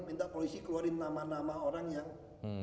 minta polisi keluarin nama nama orang yang